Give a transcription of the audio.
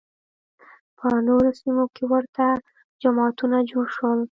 په نورو سیمو کې ورته جماعتونه جوړ شول